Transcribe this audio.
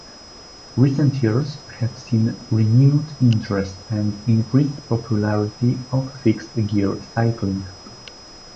Recent years have seen renewed interest and increased popularity of fixed-gear cycling.